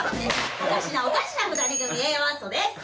おかしなおかしな２人組Ａマッソです。